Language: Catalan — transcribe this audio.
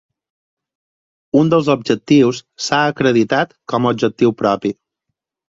Un dels objectius s'ha acreditat com a objectiu propi.